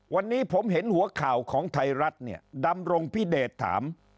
วันนี้ผมเห็นหัวข่าวของไทยรัฐเนี่ยดำรงพิเดชถาม